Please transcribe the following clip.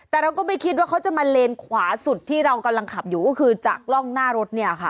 แต่เราก็ไม่คิดว่าเขาจะมาเลนขวาสุดที่เรากำลังขับอยู่ก็คือจากกล้องหน้ารถเนี่ยค่ะ